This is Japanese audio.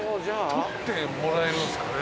撮ってもらえるんすかね。